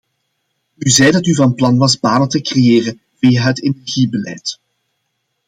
U zei dat u van plan was banen te creëren via het energiebeleid.